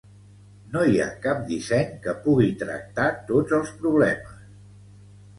No hi ha cap disseny que pugui tractar tots els problemes.